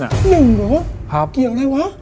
หนึ่งเหรอเกี่ยวอะไรวะ